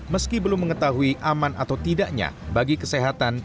meski belum mengetahui aman atau tidaknya bagi kesehatan